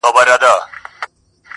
جهاني له دې وطنه یوه ورځ کډي باریږي.!